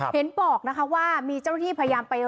เห็นบอกนะคะว่ามีเจ้าหน้าที่พยายามไป